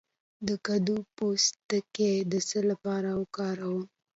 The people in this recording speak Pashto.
د کدو پوستکی د څه لپاره وکاروم؟